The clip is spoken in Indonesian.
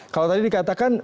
kalau tadi dikatakan